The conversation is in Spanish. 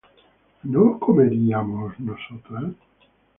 ¿no comeríamos nosotras?